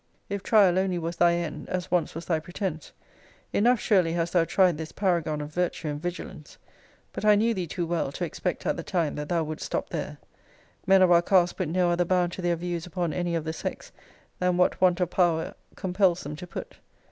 If trial only was thy end, as once was thy pretence,* enough surely hast thou tried this paragon of virtue and vigilance. But I knew thee too well, to expect, at the time, that thou wouldest stop there. 'Men of our cast put no other bound to their views upon any of the sex, than what want of power compels them to put.'